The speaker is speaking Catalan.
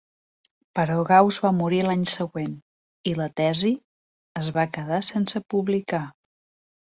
Però Gauss va morir l'any següent i la tesi es va quedar sense publicar.